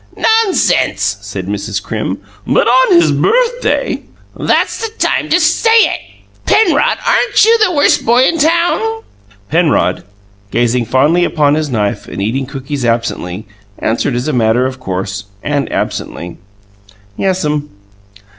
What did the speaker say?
"Nonsense!" said Mrs. Crim. "But on his birthday!" "That's the time to say it. Penrod, aren't you the Worst Boy in Town?" Penrod, gazing fondly upon his knife and eating cookies rapidly, answered as a matter of course, and absently, "Yes'm."